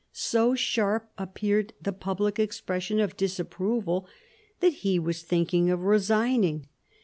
So sharp appeared the public expression of disapproval that he was thinking of resigning.